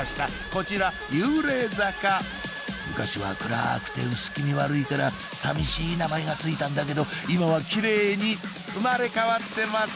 こちら幽霊坂昔は暗くて薄気味悪いから寂しい名前が付いたんだけど今はキレイに生まれ変わってます！